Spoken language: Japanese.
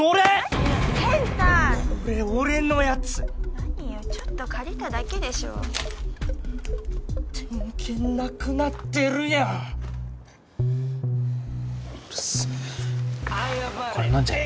何よヘンタイこれ俺のやつ何よちょっと借りただけでしょ電源なくなってるやんうるせえこれ飲んじゃえ